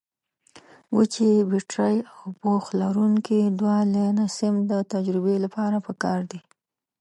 وچې بټرۍ او پوښ لرونکي دوه لینه سیم د تجربې لپاره پکار دي.